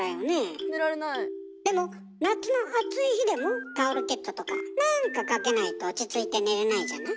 でも夏の暑い日でもタオルケットとかなんかかけないと落ち着いて寝れないじゃない？